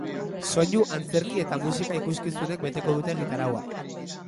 Soinu, antzerki eta musika ikuskizunek beteko dute egitaraua.